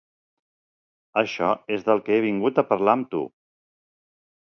Això és del que he vingut a parlar amb tu.